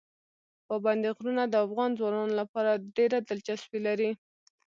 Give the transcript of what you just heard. پابندي غرونه د افغان ځوانانو لپاره ډېره دلچسپي لري.